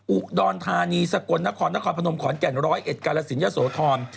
อุดรธานีสกลนครนครพนมขอนแก่นร้อยเอ็ดกาลสินยะโสธร